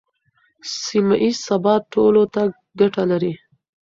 سیمه ییز ثبات ټولو ته ګټه لري.